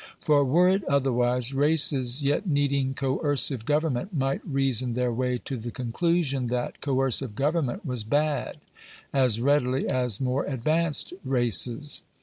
For were it otherwise, races yet needing coercive go vernment might reason their way to the conclusion that co ercive government was bad, as readily as more advanced races.